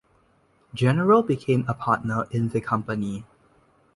General became a partner in the company.